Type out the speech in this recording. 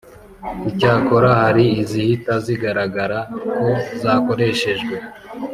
Icyakora hari izihita zigaragara ko zakoreshejwe